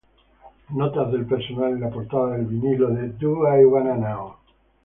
Notas del personal en la portada del vinilo de "Do I Wanna Know?